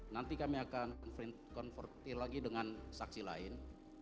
nanti kami akan convertil lagi dengan saksi lain